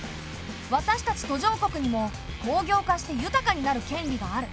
私たち途上国にも工業化して豊かになる権利がある。